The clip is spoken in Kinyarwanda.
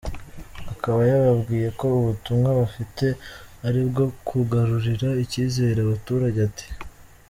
Akaba yababwiye ko ubutumwa bafite ari ubwo kugarurira icyizere abaturage, ati ".